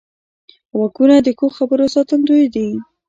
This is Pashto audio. غوږونه د ښو خبرو ساتندوی دي